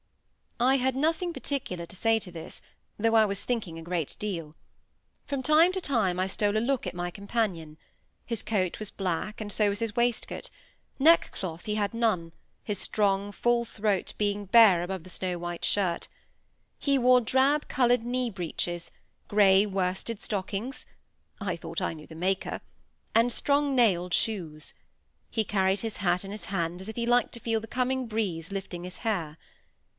I had nothing particular to say to this, though I was thinking a great deal. From time to time I stole a look at my companion. His coat was black, and so was his waistcoat; neckcloth he had none, his strong full throat being bare above the snow white shirt. He wore drab coloured knee breeches, grey worsted stockings (I thought I knew the maker), and strong nailed shoes. He carried his hat in his hand, as if he liked to feel the coming breeze lifting his hair.